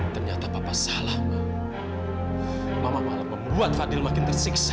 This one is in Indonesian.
ternyata papa salah mama membuat fadil makin tersiksa